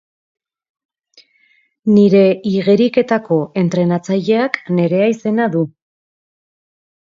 Nire igeriketako entrenatzaileak Nerea izena du.